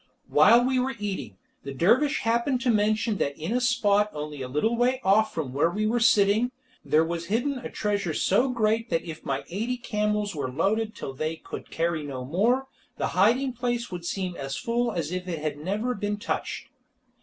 While we were eating, the dervish happened to mention that in a spot only a little way off from where we were sitting, there was hidden a treasure so great that if my eighty camels were loaded till they could carry no more, the hiding place would seem as full as if it had never been touched.